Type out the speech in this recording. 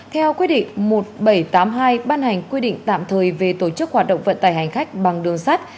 theo quyết định một nghìn bảy trăm tám mươi hai ban hành quy định tạm thời về tổ chức hoạt động vận tải hành khách bằng đường sắt